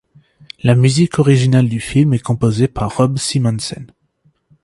La musique originale du film est composée par Rob Simonsen.